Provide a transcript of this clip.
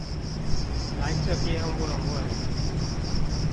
來這邊問問